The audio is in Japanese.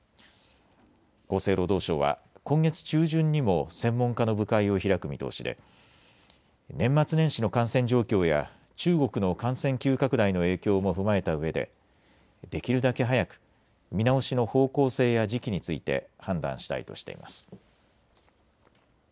厚生労働省は今月中旬にも専門家の部会を開く見通しで年末年始の感染状況や中国の感染急拡大の影響も踏まえたうえで、できるだけ早く見直しの方向性や時期について判断したいとしています。